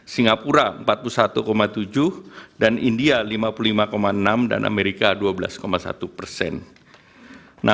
singapura empat puluh satu tujuh dan india lima puluh lima enam dan amerika dua belas satu persen